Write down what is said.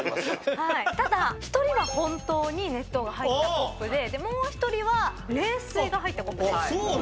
ただ１人は本当に熱湯が入ったコップでもう１人は冷水が入ったコップです。